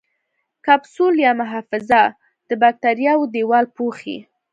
کپسول یا محفظه د باکتریاوو دیوال پوښي.